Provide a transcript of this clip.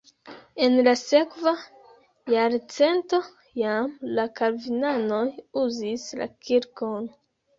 En la sekva jarcento jam la kalvinanoj uzis la kirkon.